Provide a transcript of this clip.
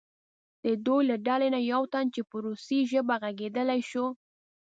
د دوی له ډلې نه یو تن چې په روسي ژبه غږېدلی شو.